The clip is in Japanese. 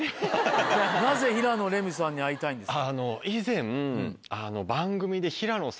なぜ平野レミさんに会いたいんですか？